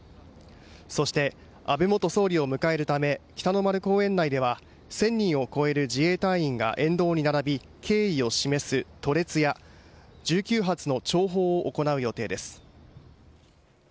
そして安倍元総理を迎えるため、北の丸公園内では、１０００人を超える自衛隊員が沿道に並び、敬意を示すと列や、１９発の弔砲を行う予定です。